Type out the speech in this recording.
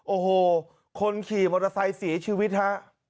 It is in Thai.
โอ้โหคนขี่มอเตอร์ไซค์เสียชีวิตฮะ